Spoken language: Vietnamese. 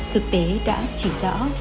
thực tế đã chỉ rõ